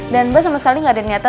dan mbak sama sekali gak ada niatan